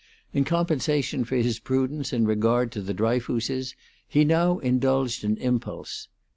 In compensation for his prudence in regard to the Dryfooses he now indulged an impulse.